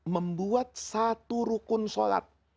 membuat satu rukun sholat